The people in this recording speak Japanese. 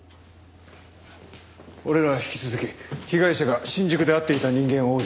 俺らは引き続き被害者が新宿で会っていた人間を追うぞ。